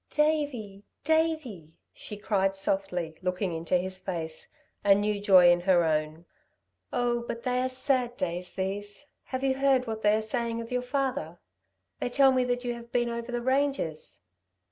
"Davey! Davey!" she cried softly, looking into his face, a new joy in her own. "Oh, but they are sad days, these! Have you heard what they are saying of your father? They tell me that you have been over the ranges."